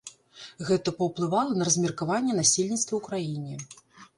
Гэта паўплывала на размеркаванне насельніцтва ў краіне.